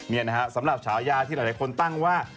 นี่นะฮะสำหรับฉายาที่หลายคนตั้งว่า